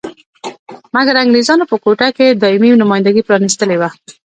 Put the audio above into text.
مګر انګریزانو په کوټه کې دایمي نمایندګي پرانیستلې وه.